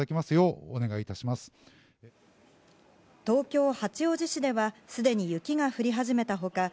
東京・八王子市ではすでに雪が降り始めた他